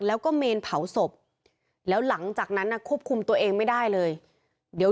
แล้วก็เมนเผาศพแล้วหลังจากนั้นน่ะควบคุมตัวเองไม่ได้เลยเดี๋ยว